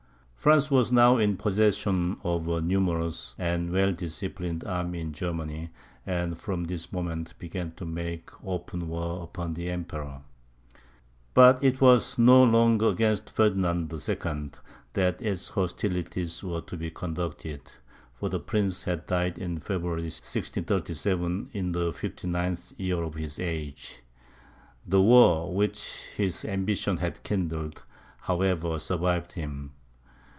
France was now in possession of a numerous and well disciplined army in Germany, and from this moment began to make open war upon the Emperor. But it was no longer against Ferdinand II. that its hostilities were to be conducted; for that prince had died in February, 1637, in the 59th year of his age. The war which his ambition had kindled, however, survived him.